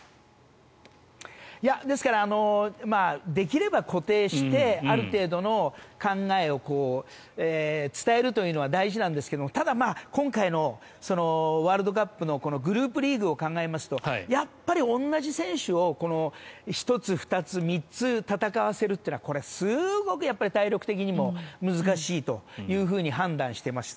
ですからできれば固定してある程度の考えを伝えるというのは大事なんですけどもただ、今回のワールドカップのグループリーグを考えますとやっぱり同じ選手を１つ、２つ、３つ戦わせるというのはこれはすごく体力的にも難しいと判断しています。